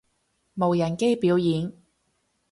無人機表演